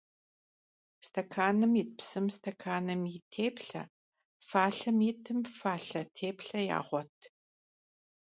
Stekanım yit psım stekanım yi têplhe, falhem yitım falhe têplhe yağuet.